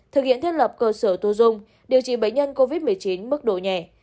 thực hiện thiết lập cơ sở thu dung điều trị bệnh nhân covid một mươi chín mức độ nhẹ